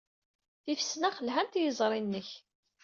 Tifesnax lhant i yiẓri-nnek.